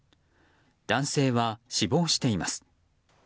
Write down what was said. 男性は死亡しています。